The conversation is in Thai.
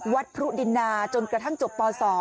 วัดพรุ่ดินาจนกระทั่งจบป๒